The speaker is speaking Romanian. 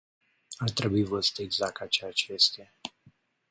Ar trebui văzută exact ca ceea ce este.